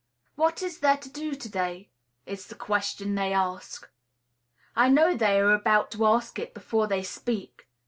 "What is there to do to day?" is the question they ask. I know they are about to ask it before they speak.